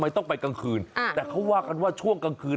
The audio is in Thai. ต้องไปกลางคืนแต่เขาว่ากันว่าช่วงกลางคืน